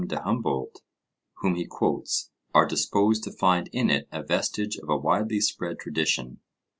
de Humboldt, whom he quotes, are disposed to find in it a vestige of a widely spread tradition.